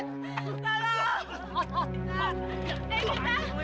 ya udah kita bisa